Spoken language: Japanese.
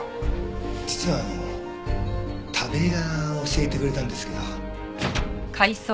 実はあの田部井が教えてくれたんですけど。